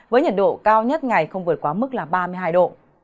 với nhiệt độ cao nhất ngày không vượt quá mức là ba mươi hai độ